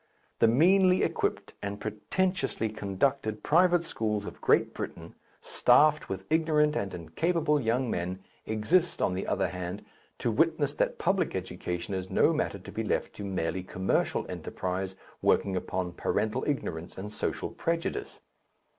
The meanly equipped and pretentiously conducted private schools of Great Britain, staffed with ignorant and incapable young men, exist, on the other hand, to witness that public education is no matter to be left to merely commercial enterprise working upon parental ignorance and social prejudice.